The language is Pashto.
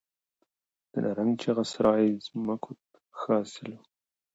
د نرنګ، چغه سرای ځمکو ښه حاصل و